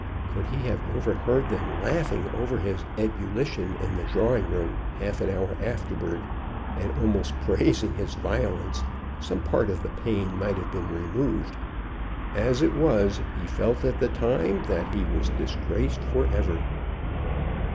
Could he have overheard them laughing over his ebullition in the drawing room half an hour afterward, and almost praising his violence, some part of the pain might have been removed. As it was he felt at the time that he was disgraced forever.